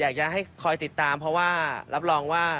คอยติดตามเพราะว่ารับรองว่า